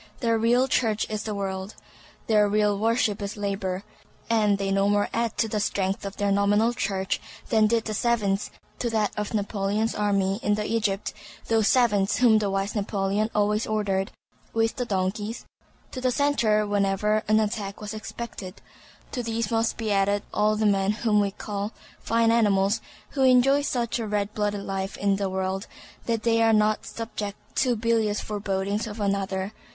Their real church is the world; their real worship is labor; and they no more add to the strength of their nominal church than did the savants to that of Napoleon's army in Egypt—those savants whom the wise Napoleon always ordered (with the donkeys) to the centre whenever an attack was expected. To these must be added all the men whom we call fine animals, who enjoy such a red blooded life in this world that they are not subject to bilious forebodings of another.